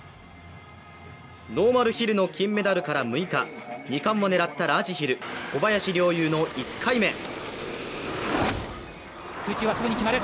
ノーマルヒルの金メダルから６日、２冠を狙ったラージヒル、小林陵侑の１回目。